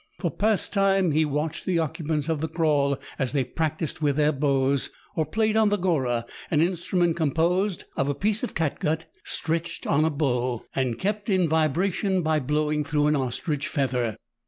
For pastime he watched the occupants of the kraal as they practised with their bows, or played on the " gorah," an instrument composed of a piece of catgut stretched on a bow, and kept G 82 meridiana; the adventures of in vibration by blowing through an ostrich feather.